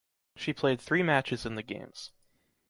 She played three matches in the Games.